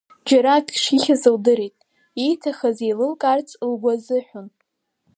Џьара ак шихьыз лдырит, ииҭахыз еилылкаарц лгәы азыҳәон.